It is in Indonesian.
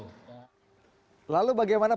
lalu bagaimana pengurus pusat muhammadiyah